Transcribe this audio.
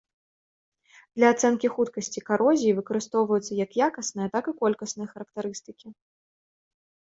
Для ацэнкі хуткасці карозіі выкарыстоўваюцца як якасныя, так і колькасныя характарыстыкі.